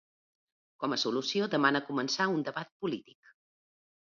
Com a solució, demana començar ‘un debat polític’.